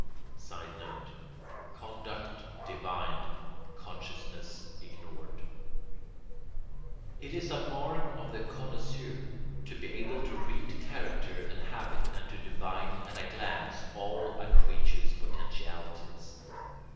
[Sidenote: Conduct divined, consciousness ignored.] It is a mark of the connoisseur to be able to read character and habit and to divine at a glance all a creature's potentialities.